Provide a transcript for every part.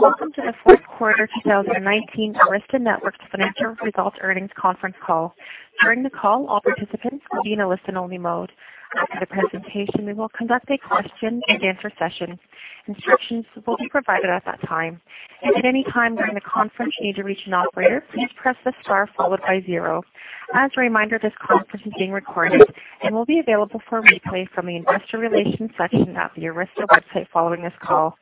Welcome to the fourth quarter 2019 Arista Networks financial results earnings conference call. During the call, all participants will be in a listen-only mode. After the presentation, we will conduct a question-and-answer session. Instructions will be provided at that time. If at any time during the conference you need to reach an operator, please press the star followed by zero. As a reminder, this conference is being recorded and will be available for replay from the investor relations section at the Arista website following this call.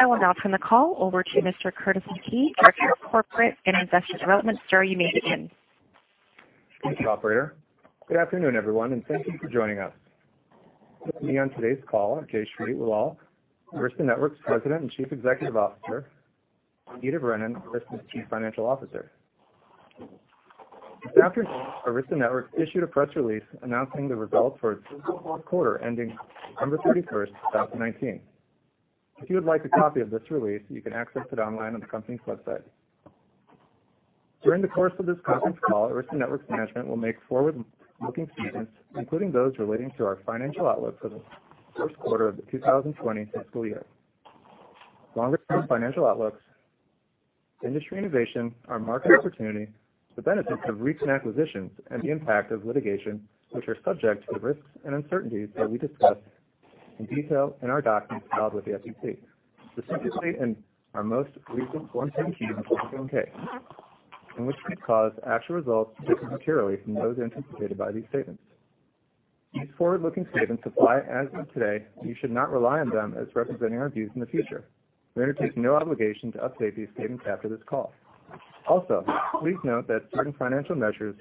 I will now turn the call over to Mr. Charles Yager, Director of Product and Investor Advocacy. Sir, you may begin. Thanks, operator. Good afternoon, everyone, and thank you for joining us. With me on today's call are Jayshree Ullal, Arista Networks President and Chief Executive Officer, and Ita Brennan, Arista's Chief Financial Officer. This afternoon, Arista Networks issued a press release announcing the results for its fourth quarter ending December 31st, 2019. If you would like a copy of this release, you can access it online on the company's website. During the course of this conference call, Arista Networks management will make forward-looking statements, including those relating to our financial outlook for the first quarter of the 2020 fiscal year. Long-range financial outlooks, industry innovation, our market opportunity, the benefits of recent acquisitions, and the impact of litigation, which are subject to the risks and uncertainties that we discuss in detail in our documents filed with the SEC, most recently in our most recent Form 10-Q and Form 10-K, and which could cause actual results to differ materially from those anticipated by these statements. These forward-looking statements apply as of today, and you should not rely on them as representing our views in the future. We undertake no obligation to update these statements after this call. Also, please note that certain financial measures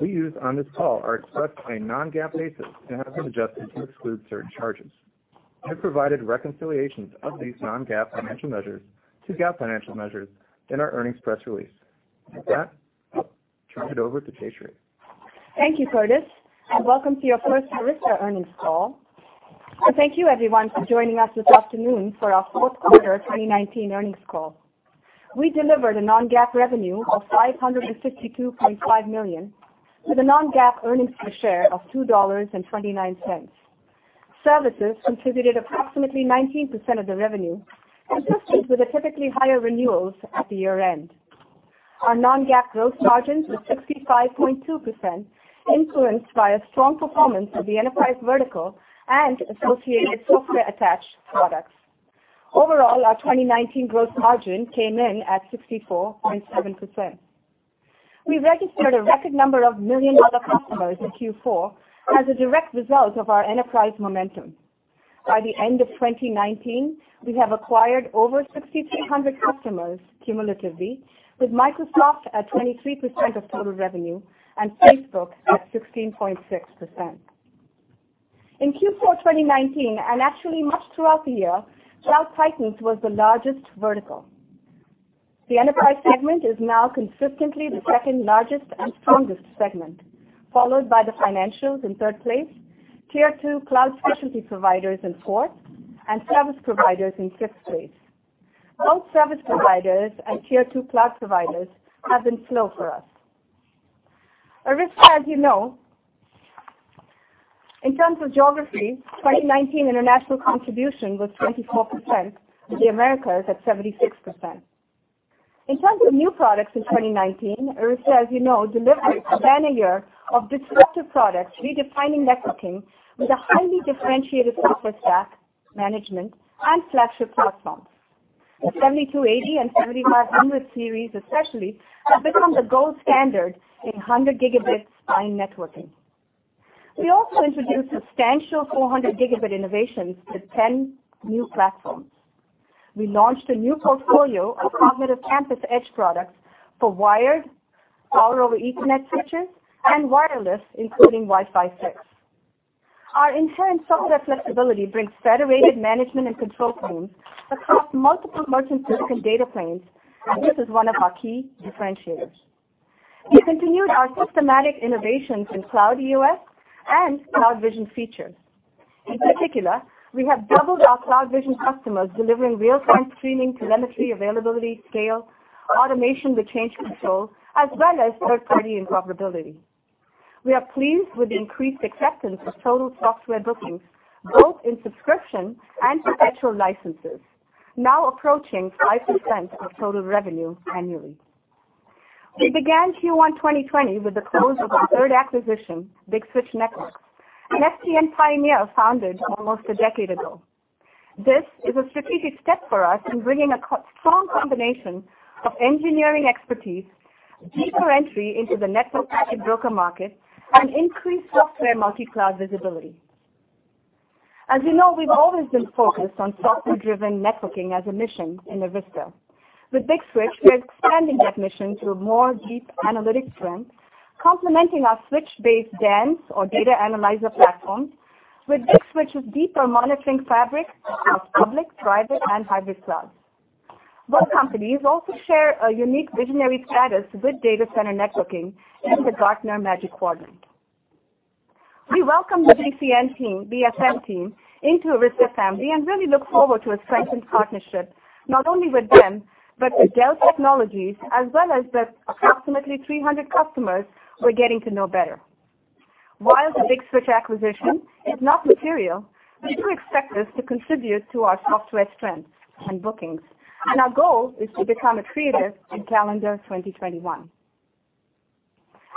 we use on this call are expressed on a non-GAAP basis and have been adjusted to exclude certain charges. We have provided reconciliations of these non-GAAP financial measures to GAAP financial measures in our earnings press release. With that, I'll turn it over to Jayshree Ullal. Thank you, Charles Yager, and welcome to your first Arista Networks earnings call. Thank you everyone for joining us this afternoon for our fourth quarter 2019 earnings call. We delivered a non-GAAP revenue of $562.5 million, with a non-GAAP earnings per share of $2.29. Services contributed approximately 19% of the revenue, consistent with the typically higher renewals at the year-end. Our non-GAAP gross margins were 65.2%, influenced by a strong performance of the enterprise vertical and associated software attached products. Overall, our 2019 gross margin came in at 64.7%. We registered a record number of million-dollar customers in Q4 as a direct result of our enterprise momentum. By the end of 2019, we have acquired over 6,300 customers cumulatively, with Microsoft at 23% of total revenue and Facebook at 16.6%. In Q4 2019, and actually much throughout the year, cloud titans was the largest vertical. The enterprise segment is now consistently the second-largest and strongest segment, followed by the financials in third place, Tier 2 cloud specialty providers in fourth, and service providers in fifth place. Both service providers and Tier 2 cloud providers have been slow for us. In terms of geography, 2019 international contribution was 24%, with the Americas at 76%. In terms of new products in 2019, Arista Networks, as you know, delivered a banner year of disruptive products redefining networking with a highly differentiated software stack, management, and flagship platforms. The 7280 and 7500 Series especially have become the gold standard in 100 Gb spine networking. We also introduced substantial 400 Gb innovations with 10 new platforms. We launched a new portfolio of cognitive campus edge products for wired, Power over Ethernet switches, and wireless, including Wi-Fi 6. Our inherent software flexibility brings federated management and control planes across multiple merchant silicon data planes, this is one of our key differentiators. We continued our systematic innovations in CloudEOS and CloudVision features. In particular, we have doubled our CloudVision customers, delivering real-time streaming telemetry, availability, scale, automation with change control, as well as third-party interoperability. We are pleased with the increased acceptance of total software bookings, both in subscription and perpetual licenses, now approaching 5% of total revenue annually. We began Q1 2020 with the close of our third acquisition, Big Switch Networks, an SDN pioneer founded almost a decade ago. This is a strategic step for us in bringing a strong combination of engineering expertise, deeper entry into the network edge and broker market, and increased software multi-cloud visibility. As you know, we've always been focused on software-driven networking as a mission in Arista. With Big Switch, we are expanding that mission through more deep analytics strengths, complementing our switch-based DANZ, or Data Analyzer platform, with Big Switch's deeper Monitoring Fabric across public, private, and hybrid clouds. Both companies also share a unique visionary status with data center networking in the Gartner Magic Quadrant. We welcome the BCN team, BSM team into Arista family and really look forward to a strengthened partnership not only with them, but with Dell Technologies, as well as the approximately 300 customers we're getting to know better. While the Big Switch acquisition is not material, we do expect this to contribute to our software strengths and bookings. Our goal is to become accretive in calendar 2021.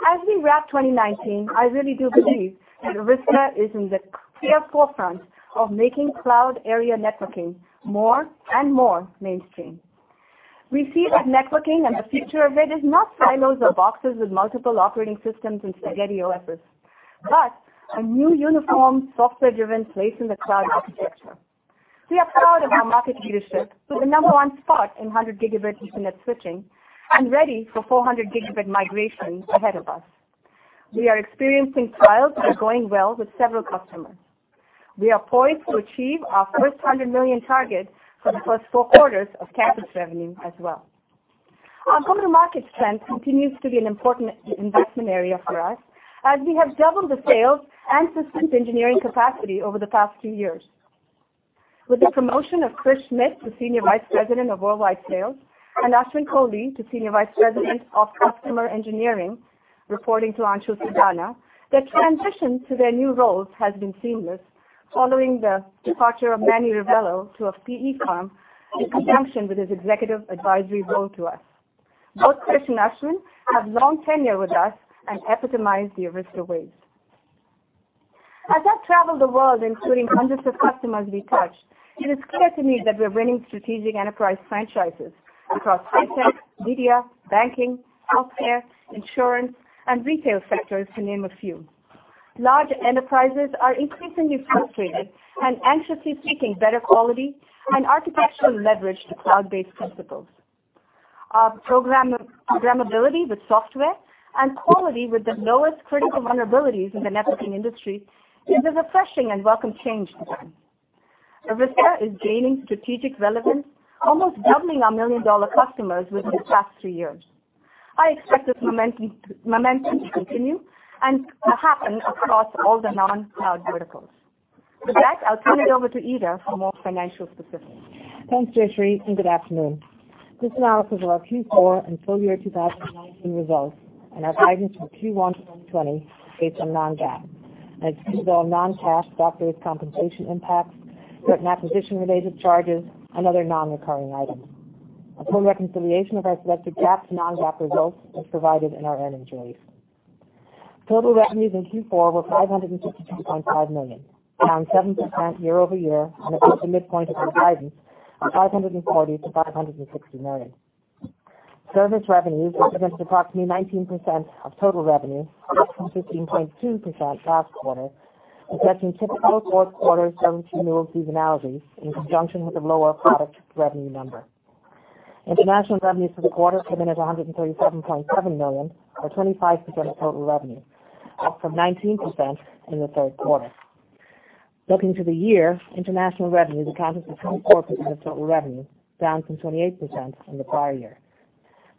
As we wrap 2019, I really do believe that Arista Networks is in the clear forefront of making cloud area networking more and more mainstream. We see that networking and the future of it is not silos or boxes with multiple operating systems and spaghetti OSes, but a new uniform software-driven place in the cloud architecture. We are proud of our market leadership with the number one spot in 100 GbE switching and ready for 400 Gb migration ahead of us. We are experiencing trials that are going well with several customers. We are poised to achieve our first $100 million target for the first four quarters of campus revenue as well. Our total market trend continues to be an important investment area for us as we have doubled the sales and systems engineering capacity over the past two years. With the promotion of Chris Schmidt to Senior Vice President of Worldwide Sales and Ashwin Kohli to Senior Vice President of Customer Engineering, reporting to Anshul Sadana, their transition to their new roles has been seamless following the departure of Manny Rivelo to a P/E firm in conjunction with his executive advisory role to us. Both Chris Schmidt and Ashwin Ashwin Kohli have long tenure with us and epitomize the Arista Networks ways. As I've traveled the world, including hundreds of customers we touch, it is clear to me that we're winning strategic enterprise franchises across tech, media, banking, healthcare, insurance, and retail sectors, to name a few. Large enterprises are increasingly frustrated and anxiously seeking better quality and architectural leverage to cloud-based principles. Our programmability with software and quality with the lowest critical vulnerabilities in the networking industry is a refreshing and welcome change for them. Arista is gaining strategic relevance, almost doubling our million-dollar customers within the past three years. I expect this momentum to continue and to happen across all the non-cloud verticals. With that, I'll turn it over to Ita Brennan for more financial specifics. Thanks, Jayshree Ullal. Good afternoon. This analysis of our Q4 and full year 2019 results and our guidance for Q1 2020 is on non-GAAP, and excludes all non-cash stock-based compensation impacts, certain acquisition-related charges, and other non-recurring items. A full reconciliation of our selected GAAP to non-GAAP results is provided in our earnings release. Total revenues in Q4 were $562.5 million, down 7% year-over-year and above the midpoint of our guidance of $540 million-$560 million. Service revenues represented approximately 19% of total revenue, up from 15.2% last quarter, reflecting typical fourth quarter service renewal seasonality in conjunction with a lower product revenue number. International revenues for the quarter came in at $137.7 million or 25% of total revenue, up from 19% in the third quarter. Looking to the year, international revenue accounted for 24% of total revenue, down from 28% in the prior year.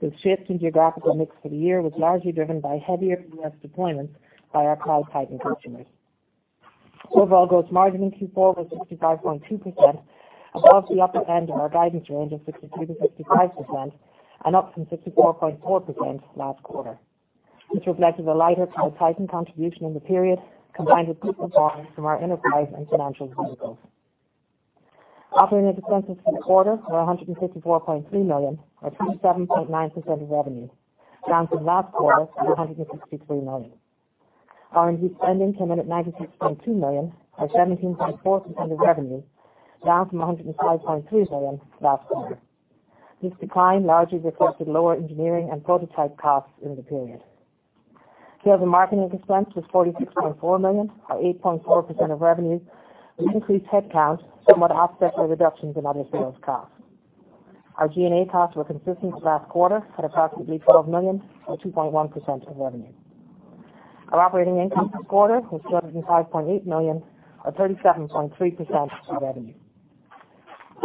The shift in geographical mix for the year was largely driven by heavier U.S. deployments by our cloud titan customers. Overall gross margin in Q4 was 65.2%, above the upper end of our guidance range of 63%-65%, and up from 64.4% last quarter, which reflected a lighter cloud titan contribution in the period, combined with mix performance from our enterprise and financial verticals. Operating expenses for the quarter were $154.3 million or 27.9% of revenue, down from last quarter of $163 million. R&D spending came in at $96.2 million or 17.4% of revenue, down from $105.3 million last quarter. This decline largely reflected lower engineering and prototype costs in the period. Sales and marketing expense was $46.4 million or 8.4% of revenue, with increased headcount somewhat offset by reductions in other sales costs. Our G&A costs were consistent with last quarter at approximately $12 million or 2.1% of revenue. Our operating income this quarter was $205.8 million or 37.3% of revenue.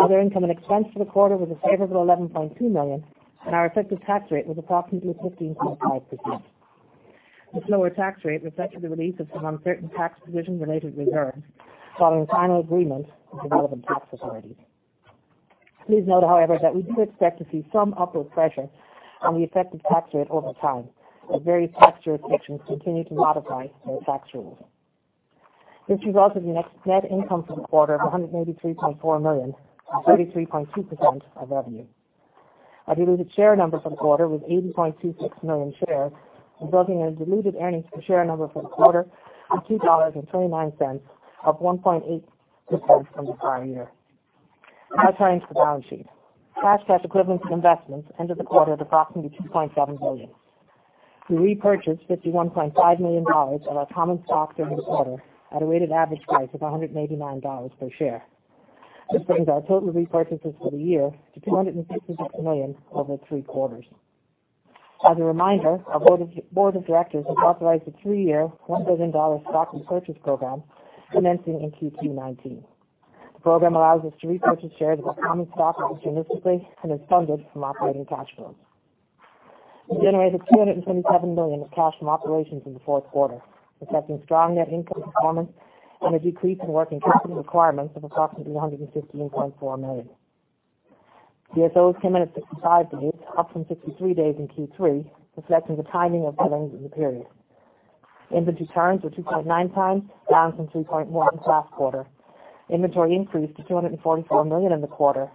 Other income and expense for the quarter was a favorable $11.2 million, and our effective tax rate was approximately 15.5%. This lower tax rate reflected the release of some uncertain tax position-related reserves following final agreement with the relevant tax authorities. Please note, however, that we do expect to see some upward pressure on the effective tax rate over time as various tax jurisdictions continue to modify their tax rules. This results in net income for the quarter of $183.4 million or 33.2% of revenue. Our diluted share number for the quarter was 80.26 million shares, resulting in diluted earnings per share number for the quarter of $2.29, up 1.8% from the prior year. Now turning to the balance sheet. Cash, cash equivalents, and investments ended the quarter at approximately $2.7 billion. We repurchased $51.5 million of our common stock during the quarter at a weighted average price of $189 per share. This brings our total repurchases for the year to $260 million over three quarters. As a reminder, our board of directors has authorized a three-year, $1 billion stock repurchase program commencing in Q2 2019. The program allows us to repurchase shares of our common stock opportunistically and is funded from operating cash flows. We generated $227 million of cash from operations in the fourth quarter, reflecting strong net income performance and a decrease in working capital requirements of approximately $115.4 million. DSO came in at 65 days, up from 63 days in Q3, reflecting the timing of billings in the period. Inventory turns were 2.9 times, down from 3.1 times in the last quarter. Inventory increased to $244 million in the quarter,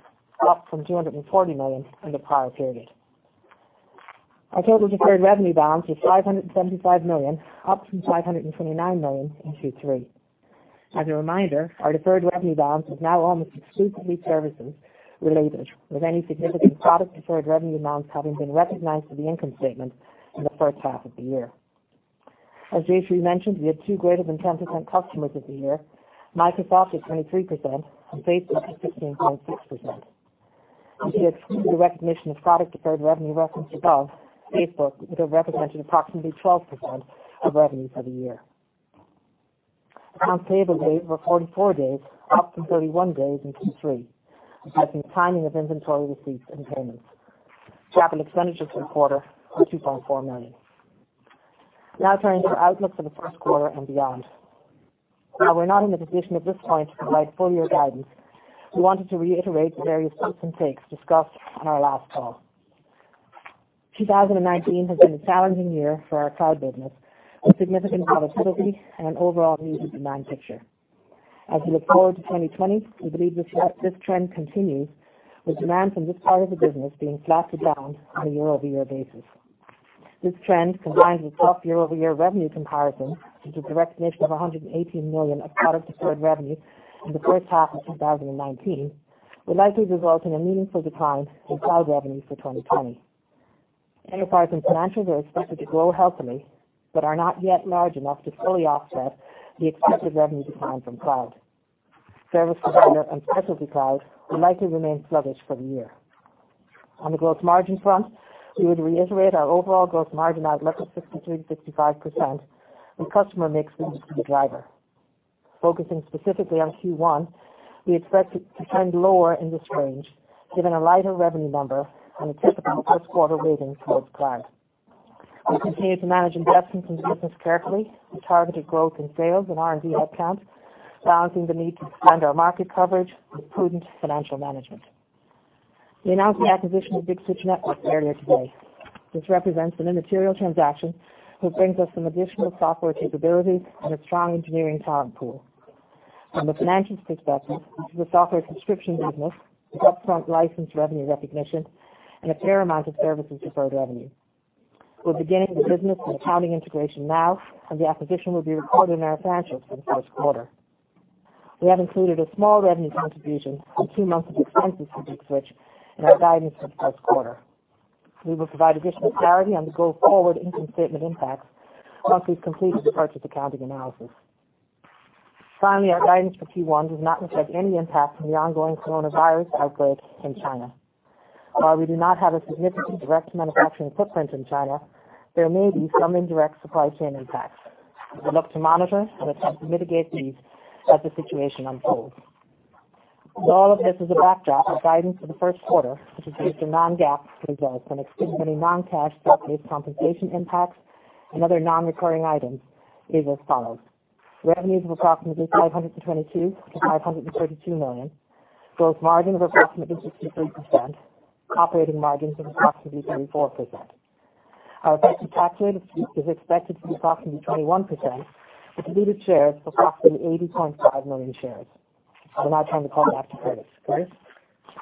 up from $240 million in the prior period. Our total deferred revenue balance was $575 million, up from $529 million in Q3. As a reminder, our deferred revenue balance is now almost exclusively services related, with any significant product deferred revenue balance having been recognized in the income statement in the first half of the year. As Jayshree Ullal mentioned, we had two greater than 10% customers of the year. Microsoft is 23% and Facebook is 15.6%. If you exclude the recognition of product deferred revenue referenced above, Facebook would have represented approximately 12% of revenue for the year. Accounts payable days were 44 days, up from 31 days in Q3, reflecting timing of inventory receipts and payments. Capital expenditures for the quarter were $2.4 million. Turning to our outlook for the first quarter and beyond. While we're not in a position at this point to provide full year guidance, we wanted to reiterate the various twists and takes discussed on our last call. 2019 has been a challenging year for our cloud business, with significant volatility and an overall muted demand picture. As we look forward to 2020, we believe this trend continues, with demand from this part of the business being flat to down on a year-over-year basis. This trend, combined with a tough year-over-year revenue comparison due to the recognition of $118 million of product deferred revenue in the first half of 2019, will likely result in a meaningful decline in cloud revenue for 2020. Enterprise and financials are expected to grow healthily, but are not yet large enough to fully offset the expected revenue decline from cloud. Service Provider and specialty cloud will likely remain sluggish for the year. On the gross margin front, we would reiterate our overall gross margin outlook of 63%-65%, with customer mix being the key driver. Focusing specifically on Q1, we expect to trend lower in this range, given a lighter revenue number and the typical first quarter weighting towards cloud. We continue to manage investments in the business carefully, with targeted growth in sales and R&D headcount, balancing the need to expand our market coverage with prudent financial management. We announced the acquisition of Big Switch Networks earlier today. This represents an immaterial transaction which brings us some additional software capabilities and a strong engineering talent pool. From a financial perspective, this is a software subscription business with up-front licensed revenue recognition and a fair amount of services deferred revenue. We're beginning the business and accounting integration now, and the acquisition will be recorded in our financials for the first quarter. We have included a small revenue contribution and two months of expenses for Big Switch in our guidance for the first quarter. We will provide additional clarity on the go forward income statement impacts once we've completed the purchase accounting analysis. Our guidance for Q1 does not reflect any impact from the ongoing coronavirus outbreak in China. While we do not have a significant direct manufacturing footprint in China, there may be some indirect supply chain impacts. We will look to monitor and attempt to mitigate these as the situation unfolds. With all of this as a backdrop, our guidance for the first quarter, which includes the non-GAAP results and excluding any non-cash stock-based compensation impacts and other non-recurring items, is as follows. Revenues of approximately $522 million-$532 million. Gross margins of approximately 63%. Operating margins of approximately 24%. Our tax rate is expected to be approximately 21%, with diluted shares of approximately 80.5 million shares. I will now turn the call back to Charles Yager. Charles?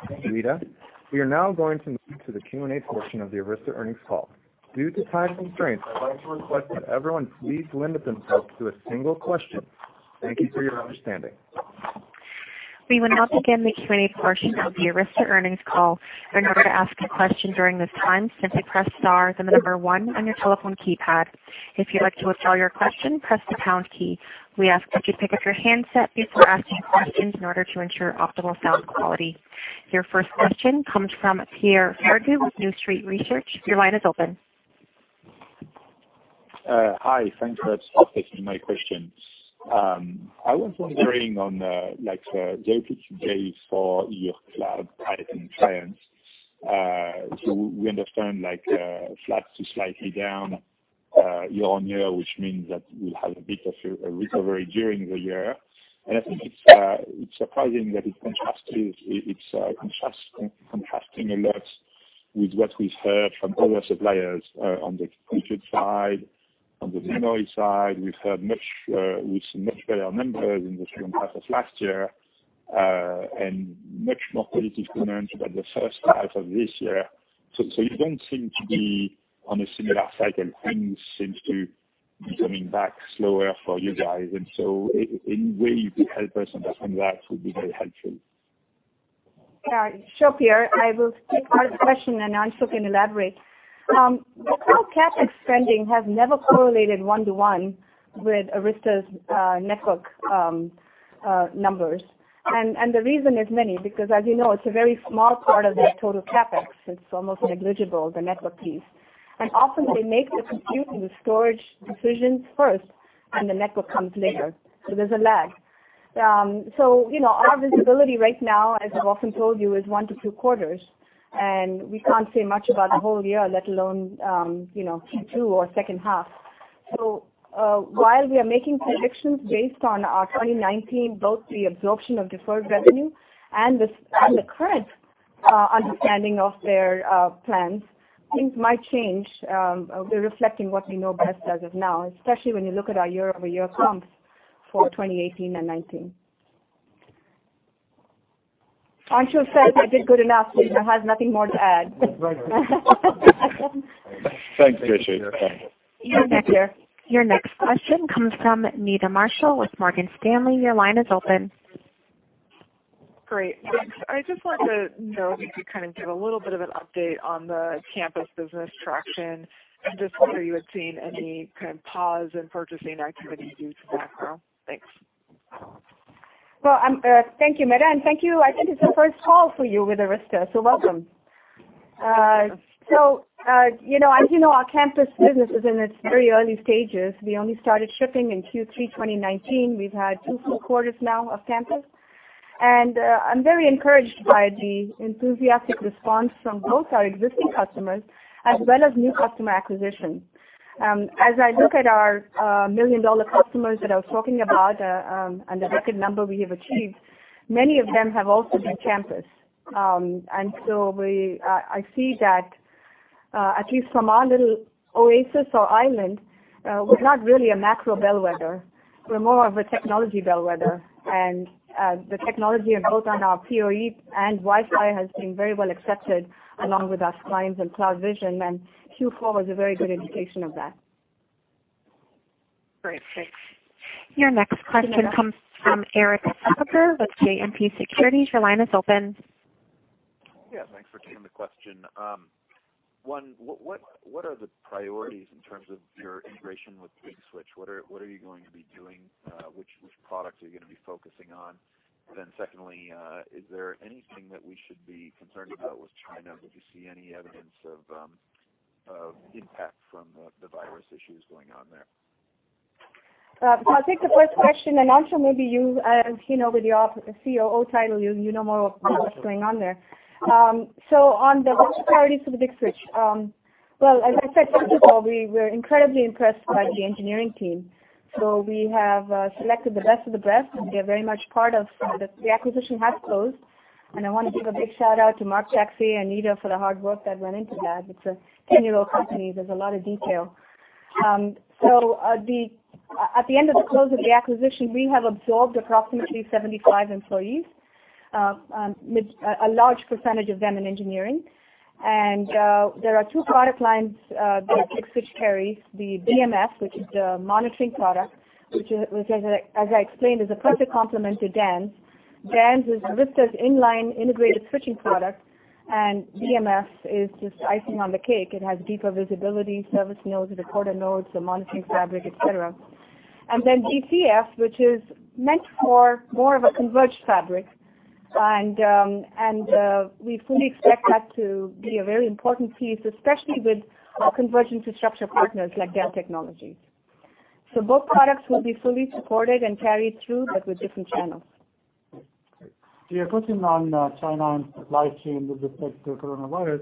Thank you, Ita Brennan. We are now going to move to the Q&A portion of the Arista earnings call. Due to time constraints, I'd like to request that everyone please limit themselves to a single question. Thank you for your understanding. We will now begin the Q&A portion of the Arista earnings call. In order to ask a question during this time, simply press star, then the number one on your telephone keypad. If you'd like to withdraw your question, press the pound key. We ask that you pick up your handset before asking questions in order to ensure optimal sound quality. Your first question comes from Pierre Ferragu with New Street Research. Your line is open. Hi. Thanks for accepting my question. I was wondering on the day two days for your cloud pricing trends. We understand like flat to slightly down year-on-year, which means that we'll have a bit of a recovery during the year. I think it's surprising that it's contrasting a lot with what we've heard from other suppliers on the computer side, on the memory side. We've seen much better numbers in the first half of last year, and much more positive comments about the first half of this year. You don't seem to be on a similar cycle. Things seem to be coming back slower for you guys. Any way you could help us understand that would be very helpful. Sure, Pierre Ferragu. I will take part of the question, and Anshul Sadana can elaborate. The cloud CapEx spending has never correlated one to one with Arista's network numbers. The reason is many, because as you know, it's a very small part of their total CapEx. It's almost negligible, the network piece. Often they make the compute and the storage decisions first, and the network comes later. There's a lag. Our visibility right now, as I've often told you, is one to two quarters, and we can't say much about the whole year, let alone Q2 or second half. While we are making predictions based on our 2019, both the absorption of deferred revenue and the current understanding of their plans, things might change. We're reflecting what we know best as of now, especially when you look at our year-over-year comps for 2018 and 2019. Anshul Sadana said I did good enough. She now has nothing more to add. Thanks, Jayshree Ullal. You're welcome. Your next question comes from Meta Marshall with Morgan Stanley. Your line is open. Great. Thanks. I just wanted to know if you could kind of give a little bit of an update on the Campus business traction, and just whether you had seen any kind of pause in purchasing activity due to macro. Thanks. Well, thank you, Meta Marshall, and thank you. I think it's the first call for you with Arista Networks, so welcome. As you know, our Campus business is in its very early stages. We only started shipping in Q3 2019. We've had two full quarters now of Campus, and I'm very encouraged by the enthusiastic response from both our existing customers as well as new customer acquisition. As I look at our million-dollar customers that I was talking about, and the record number we have achieved, many of them have also been Campus. So I see that, at least from our little oasis or island, we're not really a macro bellwether. We're more of a technology bellwether, and the technology on both on our PoE and Wi-Fi has been very well accepted, along with our clients and CloudVision, and Q4 was a very good indication of that. Great. Thanks. Your next question comes from Erik Suppiger with JMP Securities. Your line is open. Yeah. Thanks for taking the question. One, what are the priorities in terms of your integration with Big Switch? What are you going to be doing? Which products are you going to be focusing on? Secondly, is there anything that we should be concerned about with China? Did you see any evidence of impact from the virus issues going on there? I'll take the first question. Anshul Sadana, maybe you, as you know with your COO title, you know more of what's going on there. On the priorities for the Big Switch. Well, as I said, first of all, we're incredibly impressed by the engineering team. We have selected the best of the best, and they're very much part of the acquisition has closed, and I want to give a big shout-out to Marc Taxay and Ita Brennan for the hard work that went into that. It's a 10-year-old company. There's a lot of detail. At the end of the close of the acquisition, we have absorbed approximately 75 employees, a large percentage of them in engineering. There are two product lines that Big Switch carries, the BMS, which is the monitoring product, which as I explained, is a perfect complement to DANZ. DANZ is Arista's in-line integrated switching product. DMF is just icing on the cake. It has deeper visibility, service nodes, recorder nodes, the monitoring fabric, et cetera. BCF, which is meant for more of a converged fabric, and we fully expect that to be a very important piece, especially with our converged infrastructure partners like Dell Technologies. Both products will be fully supported and carried through, but with different channels. To your question on China and supply chain with respect to coronavirus,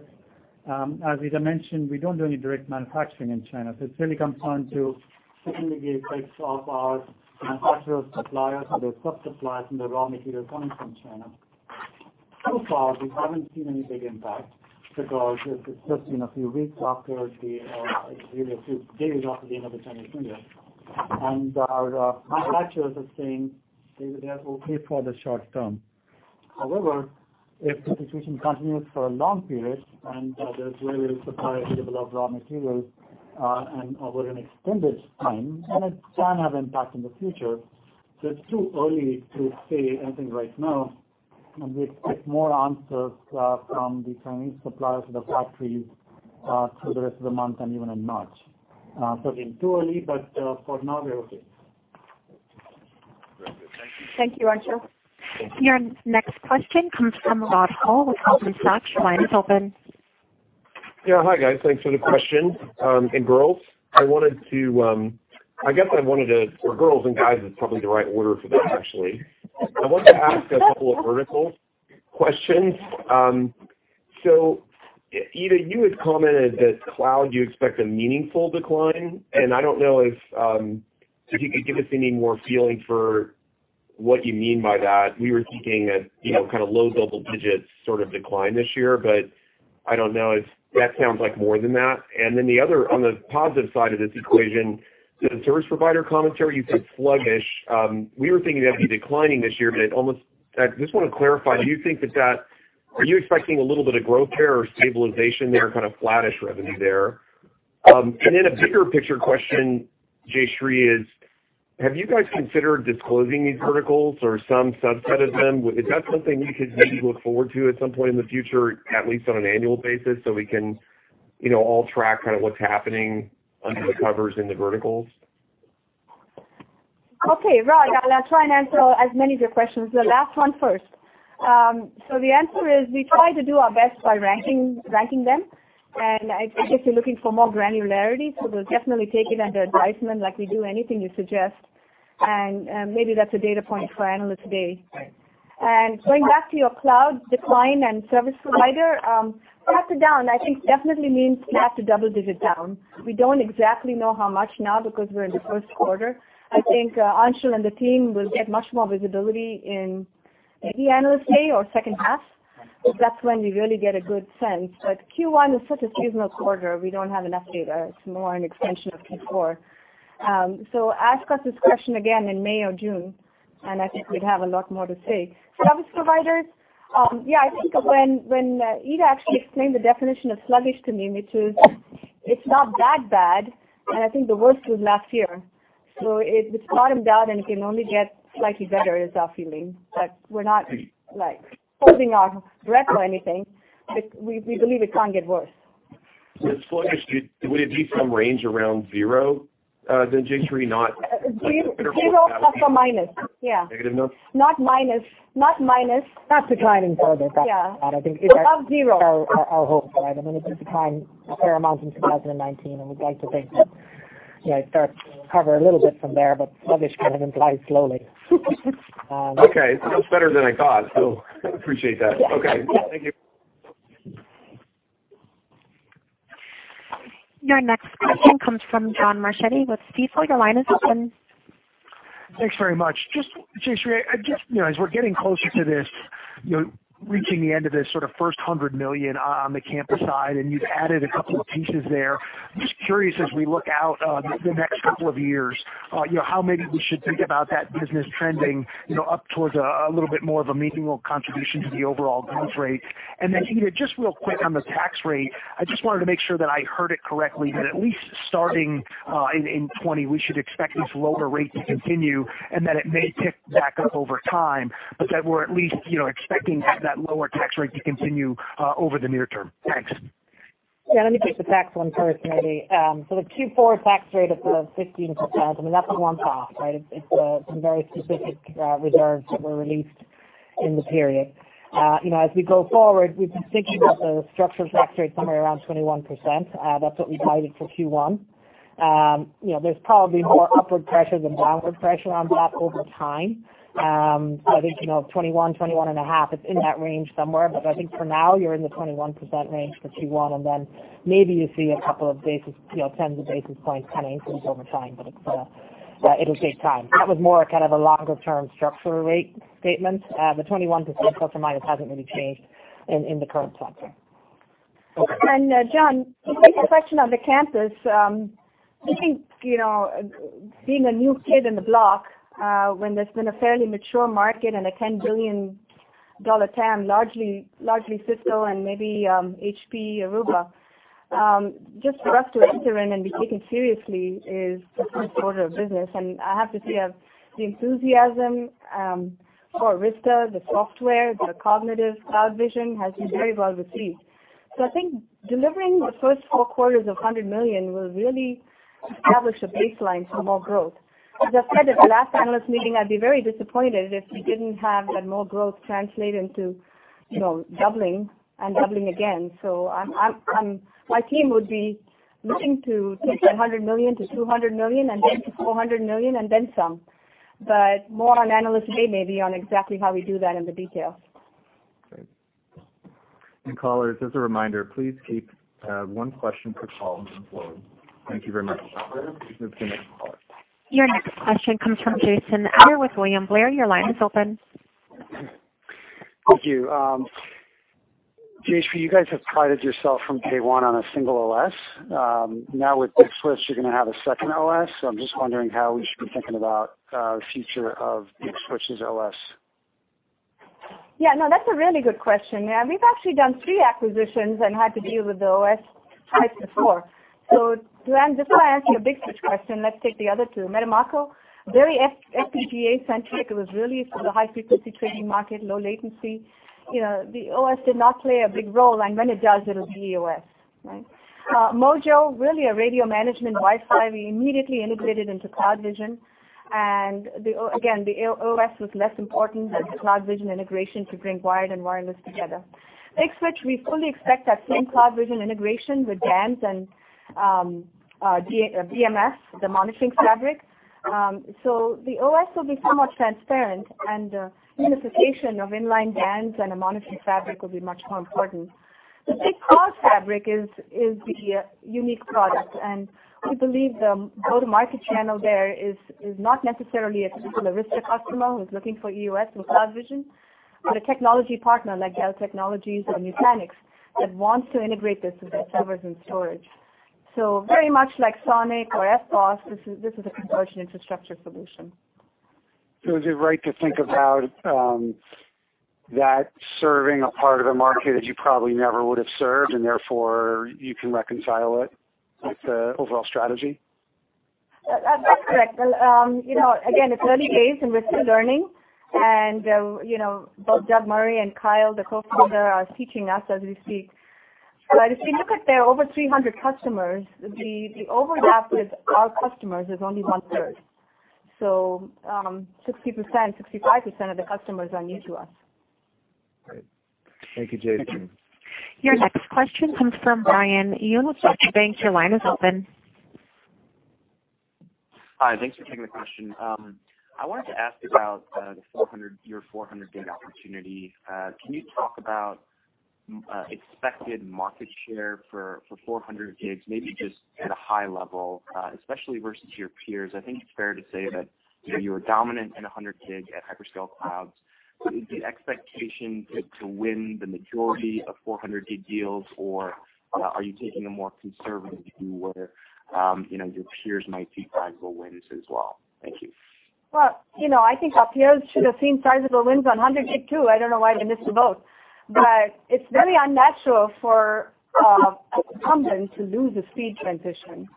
as Meta Marshall mentioned, it's really comes down to secondary effects of our manufacturer suppliers or their sub-suppliers and their raw materials coming from China. So far, we haven't seen any big impact because it's just been a few weeks, really a few days after the end of the Chinese New Year. Our manufacturers are saying they are okay for the short term. However, if the situation continues for a long period, and there's really a supply issue of raw materials and over an extended time, then it can have impact in the future. It's too early to say anything right now, and we expect more answers from the Chinese suppliers, the factories, through the rest of the month and even in March. Again, too early, but for now, we're okay. Very good. Thank you. Thank you, Anshul. Thank you. Your next question comes from Rod Hall with Goldman Sachs. Your line is open. Hi, guys. Thanks for the question. Girls. Girls and guys is probably the right order for that, actually. I wanted to ask a couple of verticals questions. Meta Marshall, you had commented that cloud, you expect a meaningful decline, and I don't know if you could give us any more feeling for what you mean by that. We were thinking a kind of low double digits sort of decline this year, but I don't know if that sounds like more than that. Then the other, on the positive side of this equation, the service provider commentary, you said sluggish. We were thinking that'd be declining this year, but I just want to clarify, are you expecting a little bit of growth there or stabilization there, kind of flattish revenue there? A bigger picture question, Jayshree Ullal, is have you guys considered disclosing these verticals or some subset of them? Is that something we could maybe look forward to at some point in the future, at least on an annual basis, so we can all track kind of what's happening under the covers in the verticals? Okay. Rod Hall, I'll try and answer as many of your questions. The last one first. The answer is we try to do our best by ranking them, and I guess you're looking for more granularity, so we'll definitely take it under advisement, like we do anything you suggest. Maybe that's a data point for Analyst Day. Going back to your cloud decline and service provider, half the down I think definitely means half the double digit down. We don't exactly know how much now because we're in the first quarter. I think Anshul Sadana and the team will get much more visibility in maybe Analyst Day or second half, because that's when we really get a good sense. Q1 is such a seasonal quarter, we don't have enough data. It's more an extension of Q4. Ask us this question again in May or June, and I think we'd have a lot more to say. Service providers, yeah, I think when Ita Brennan actually explained the definition of sluggish to me, which is it's not that bad, and I think the worst was last year. It's bottomed out and it can only get slightly better is our feeling. We're not holding our breath or anything, but we believe it can't get worse. When it's sluggish, would it be some range around zero then, Jayshree Ullal? 0+ or minus. Yeah. Negative numbers? Not minus. Not declining further. That's what I think. Above zero. Our hope for right. I mean, it was declining a fair amount in 2019, and we'd like to think that it starts to recover a little bit from there, but sluggish kind of implies slowly. Okay. It sounds better than I thought, so appreciate that. Yeah. Okay. Thank you. Your next question comes from John Marchetti with Stifel. Your line is open. Thanks very much. Jayshree Ullal, as we're getting closer to this, reaching the end of this sort of first $100 million on the campus side, and you've added a couple of pieces there, I'm just curious as we look out the next couple of years, how maybe we should think about that business trending up towards a little bit more of a meaningful contribution to the overall growth rate. Ita Brennan, just real quick on the tax rate, I just wanted to make sure that I heard it correctly, that at least starting in 2020, we should expect these lower rates to continue and that it may tick back up over time, but that we're at least expecting that lower tax rate to continue over the near term. Thanks. Yeah, let me take the tax one first, maybe. The Q4 tax rate of 15%, that's a one-off, right? It's some very specific reserves that were released in the period. As we go forward, we've been thinking about the structural tax rate somewhere around 21%. That's what we guided for Q1. There's probably more upward pressure than downward pressure on that over time. I think, 21%-21.5%, it's in that range somewhere. I think for now, you're in the 21% range for Q1, and then maybe you see a couple of tens of basis points kind of increase over time, but it'll take time. That was more a kind of a longer-term structural rate statement. The 21%+ or minus hasn't really changed in the current quarter. John Marchetti, to take your question on the campus, I think being a new kid on the block when there's been a fairly mature market and a $10 billion TAM, largely Cisco and maybe HPE Aruba. Just for us to enter in and be taken seriously is a good sort of business. I have to say, the enthusiasm for Arista, the software, the cognitive CloudVision has been very well received. I think delivering the first four quarters of $100 million will really establish a baseline for more growth. As I said at the last analyst meeting, I'd be very disappointed if we didn't have that more growth translate into doubling and doubling again. My team would be looking to take the $100 million to $200 million and then to $400 million and then some. More on Analyst Day maybe on exactly how we do that in the details. Great. Callers, as a reminder, please keep one question per call on the floor. Thank you very much. Let's go to the next caller. Your next question comes from Jason Ader with William Blair. Your line is open. Thank you. Jayshree Ullal, you guys have prided yourself from day one on a single OS. Now with Big Switch, you're going to have a second OS, so I'm just wondering how we should be thinking about the future of Big Switch's OS. Yeah, no, that's a really good question. We've actually done three acquisitions and had to deal with the OS types before. Jason, before I answer your Big Switch question, let's take the other two. Metamako, very FPGA centric. It was really for the high-frequency trading market, low latency. The OS did not play a big role, and when it does, it'll be EOS, right? Mojo, really a radio management Wi-Fi. We immediately integrated into CloudVision, and again, the OS was less important than the CloudVision integration to bring wired and wireless together. Big Switch, we fully expect that same CloudVision integration with DANZ and DMF, the monitoring fabric. The OS will be somewhat transparent and the unification of inline DANZ and a monitoring fabric will be much more important. The Big Cloud Fabric is the unique product, we believe the go-to-market channel there is not necessarily a typical Arista customer who's looking for EOS and CloudVision, but a technology partner like Dell Technologies or Nutanix that wants to integrate this with their servers and storage. Very much like SONiC or F5, this is a converged infrastructure solution. Is it right to think about that serving a part of the market that you probably never would have served and therefore you can reconcile it with the overall strategy? That's correct. Again, it's early days and we're still learning. Both Doug Murray and Kyle, the co-founder, are teaching us as we speak. If you look at their over 300 customers, the overlap with our customers is only one-third. 60%, 65% of the customers are new to us. Great. Thank you, Jason Ader. Your next question comes from Brian Young with Deutsche Bank. Your line is open. Hi. Thanks for taking the question. I wanted to ask about your 400G opportunity. Can you talk about expected market share for 400G, maybe just at a high level, especially versus your peers? I think it's fair to say that you are dominant in 100G at hyperscale clouds. Is the expectation to win the majority of 400G deals, or are you taking a more conservative view where your peers might see sizable wins as well? Thank you. Well, I think our peers should have seen sizable wins on 100G too. I don't know why they missed them both. It's very unnatural for an incumbent to lose a speed transition.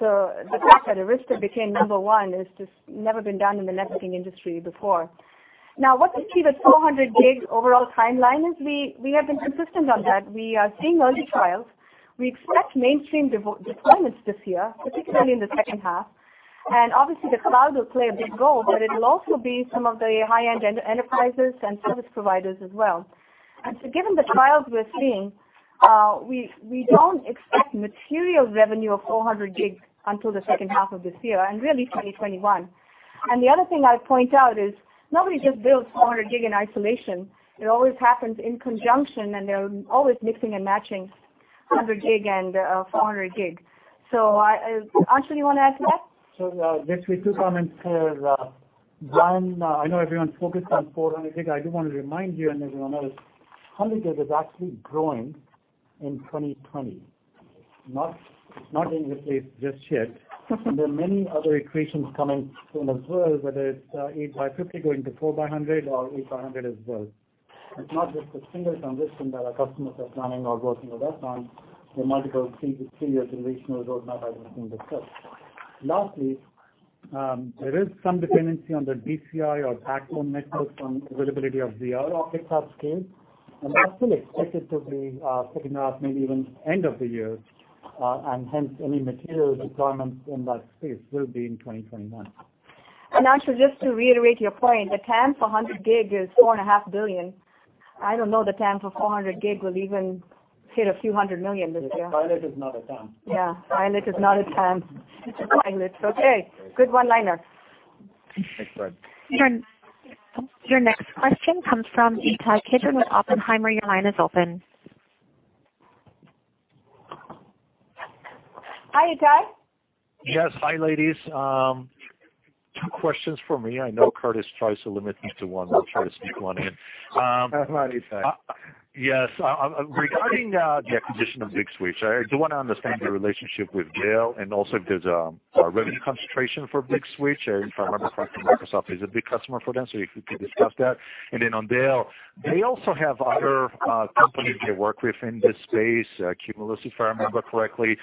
The fact that Arista became number one has just never been done in the networking industry before. Now, what we see the 400G overall timeline is we have been consistent on that. We are seeing early trials. We expect mainstream deployments this year, particularly in the second half. Obviously the cloud will play a big role, but it'll also be some of the high-end enterprises and service providers as well. Given the trials we're seeing, we don't expect material revenue of 400G until the second half of this year and really 2021. The other thing I'd point out is nobody just builds 400G in isolation. It always happens in conjunction, and they're always mixing and matching 100G and 400G. Anshul Sadana, you want to add to that? Yes, we do comment here. Brian Young, I know everyone's focused on 400G. I do want to remind you, and everyone else, 100G is actually growing in 2020, not being replaced just yet. There are many other equations coming soon as well, whether it's eight by 50 going to four by 100 or eight by 100 as well. It's not just a single transition that our customers are planning or working with us on. There are multiple speed transitional roadmap items being discussed. Lastly, there is some dependency on the DCI or backhaul networks on availability of DR optics at scale, and that's still expected to be second half, maybe even end of the year. Hence any material requirements in that space will be in 2021. Anshul Sadana, just to reiterate your point, the TAM for 100G is $4.5 billion. I don't know the TAM for 400G will even hit a few $100 million this year. Yes. TAM is not a time. Yeah. TAM is not a time. Okay. Good one-liner. Thanks, Brian Young. Your next question comes from Ittai Kidron with Oppenheimer. Your line is open. Hi, Ittai Kidron. Yes. Hi, ladies. Two questions from me. I know Charles Yager tries to limit me to one. I'll try to sneak one in. Hi, Ittai Kidron. Yes. Regarding the acquisition of Big Switch, I do want to understand the relationship with Dell, and also if there's a revenue concentration for Big Switch. If I remember correctly, Microsoft is a big customer for them, if you could discuss that. On Dell, they also have other companies they work with in this space, Cumulus, if I remember correctly.